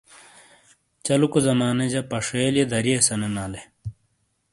چٙلُوکو زمانے جا پٙشِیلیئے دَرئیے سَنینالے۔